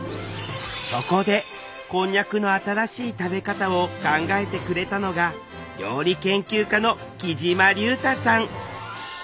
そこでこんにゃくの新しい食べ方を考えてくれたのが料理研究家のきじまりゅうたさん